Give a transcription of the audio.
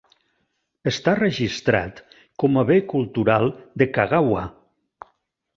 Està registrat com a bé cultural de Kagawa.